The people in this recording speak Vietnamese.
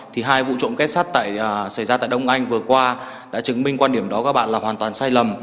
thì hai vụ trộm kết sắt xảy ra tại đông anh vừa qua đã chứng minh quan điểm đó các bạn là hoàn toàn sai lầm